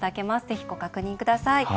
是非ご確認ください。